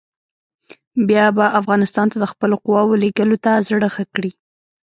بیا به افغانستان ته د خپلو قواوو لېږلو ته زړه ښه کړي.